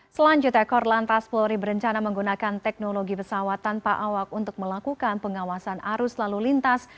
selanjutnya korlantas polri berencana menggunakan teknologi pesawat tanpa awak untuk melakukan pengawasan arus lalu lintas